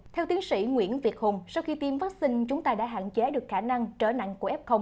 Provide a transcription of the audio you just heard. theo tiến sĩ nguyễn việt hùng sau khi tiêm vaccine chúng ta đã hạn chế được khả năng trở nặng của f